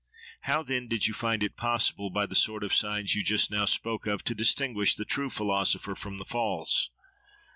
—How, then, did you find it possible, by the sort of signs you just now spoke of, to distinguish the true philosopher from the false?